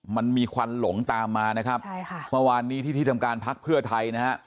มันมีควันหลงตามมานะครับใช่ค่ะเมื่อวานนี้ที่ที่ทำการพักเพื่อไทยนะฮะ